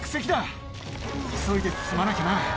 急いで進まなきゃな。